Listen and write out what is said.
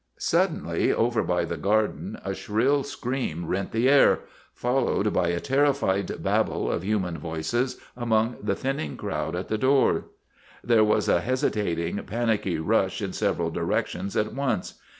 Suddenly, over by the Garden, a shrill scream rent the air, followed by a terrified babel of human voices among the thinning crowd at the doors. There was a hesitating, panicky rush in several directions at once.